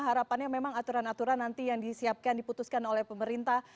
harapannya memang aturan aturan nanti yang disiapkan diputuskan oleh pemerintah